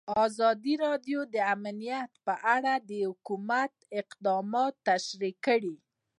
ازادي راډیو د امنیت په اړه د حکومت اقدامات تشریح کړي.